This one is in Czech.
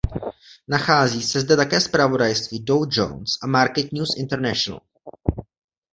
Nachází se zde také zpravodajství Dow Jones a Market News International.